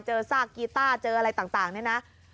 ซากกีต้าเจออะไรต่างเนี่ยนะ